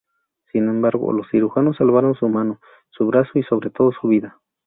Sin embargo, los cirujanos salvaron su mano, su brazo y sobre todo su vida.